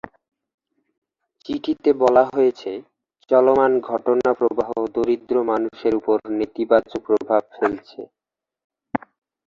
চিঠিতে বলা হয়েছে, চলমান ঘটনাপ্রবাহ দরিদ্র মানুষের ওপর নেতিবাচক প্রভাব ফেলছে।